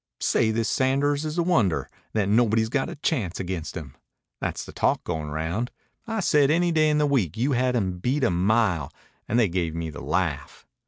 "Say this Sanders is a wonder; that nobody's got a chance against him. That's the talk goin' round. I said any day in the week you had him beat a mile, and they gave me the laugh."